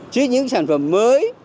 chứ những sản phẩm mới